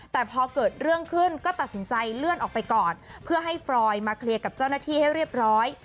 แต่พอเกิดเรื่องขึ้นก็ตัดสินใจเลื่อนออกไปก่อนเพื่อให้ฟรอยมาเคลียร์กับเจ้าหน้าที่ให้เรียบร้อย